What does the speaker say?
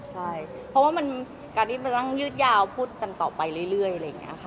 ใช่เพราะว่ามันการที่มันต้องยืดยาวพูดกันต่อไปเรื่อยอะไรอย่างนี้ค่ะ